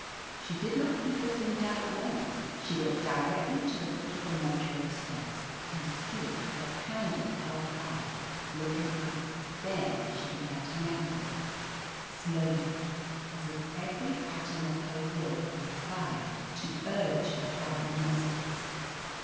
She did not keep us in doubt long. She went directly to the foot of the mortuary steps and stood, her candle held high, looking up. Then she began to mount them, slowly, as if every atom of her will were required to urge her 66 OF LETITIA CARBERRY frightened muscles.